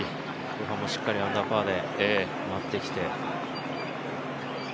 後半もしっかりアンダーパーで回ってきて。